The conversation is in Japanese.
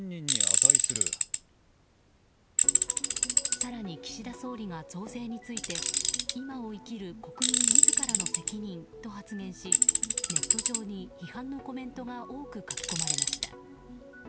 更に、岸田総理が増税について今を生きる国民自らの責任と発言しネット上に批判のコメントが多く書かれました。